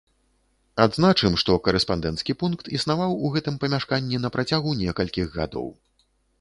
Адзначым, што карэспандэнцкі пункт існаваў у гэтым памяшканні на працягу некалькіх гадоў.